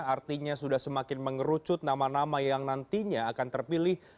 artinya sudah semakin mengerucut nama nama yang nantinya akan terpilih